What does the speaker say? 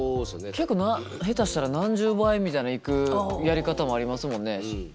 結構下手したら何十倍みたいないくやり方もありますもんね。